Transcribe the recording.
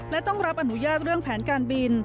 และต้องรับอนุญาตเรื่องแผนการบิน